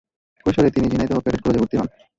কৈশোরে তিনি ঝিনাইদহ ক্যাডেট কলেজে ভর্তি হন।